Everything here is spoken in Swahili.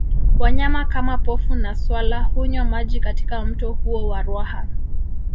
Wanyama kama Pofu na swala hunywa maji katika mto huo wa Ruaha